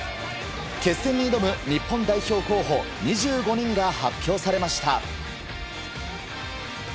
決戦に挑む日本代表候補２５人が発表されました。